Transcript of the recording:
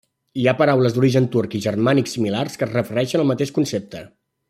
Hi ha paraules d'orígens turc i germànic similars que es refereixen al mateix concepte.